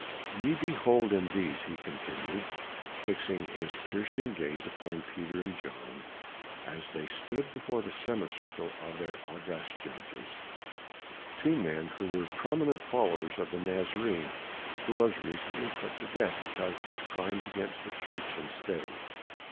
"Ye behold in these," he continued, fixing his piercing gaze upon Peter and John, as they stood before the semicircle of their august judges, "two men who were prominent followers of the Nazarene, who was recently put to death because of his crimes against church and state.